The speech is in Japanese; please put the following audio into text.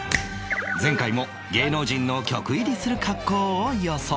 前回も芸能人の局入りする格好を予想